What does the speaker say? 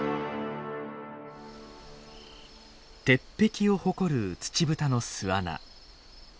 鉄壁を誇るツチブタの巣穴。